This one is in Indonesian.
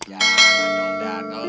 jangan dong darnal